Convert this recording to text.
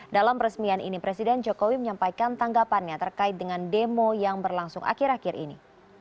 dalam peresmian ini presiden jokowi menyampaikan tanggapannya terkait dengan demo yang berlangsung akhir akhir ini